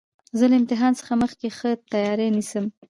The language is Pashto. زه له امتحان څخه مخکي ښه تیاری نیسم.